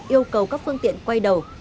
yêu cầu các phương tiện quay đầu